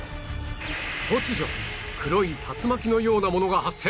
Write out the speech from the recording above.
突如黒い竜巻のようなものが発生